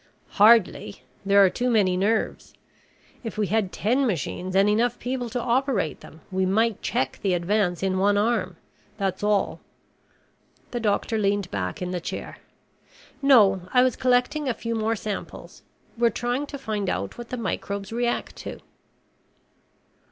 "Hardly. There are too many nerves. If we had ten machines and enough people to operate them, we might check the advance in one arm. That's all." The doctor leaned back in the chair. "No. I was collecting a few more samples. We're trying to find out what the microbes react to."